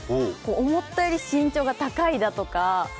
思ったより身長が高いだとか。